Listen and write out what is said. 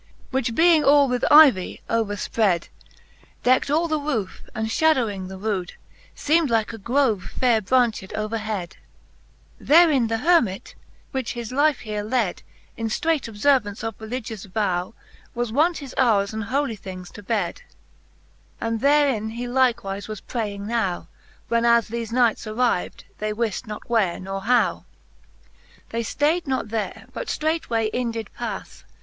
Which being all with Yvy overfpred, Deckt all the roofe, and fliadowing the roode, Seem'd like a grove faire braunched over hed : Therein the Hermit, which his life here led In ftreight obfervaunce of religious vow, Was wont his howres and holy things to bed ; And therein he likewife was praying now, Whenas thefe Knights arriv'd, they wift nor where nor how. XXXVI. They ^ I Canto V. ^^e Faerie ^ueene, 283 XXXVI, They ftayd not there, but ftreight way in did pas.